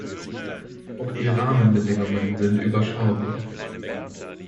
Auch die Rahmenbedingungen sind überschaubar.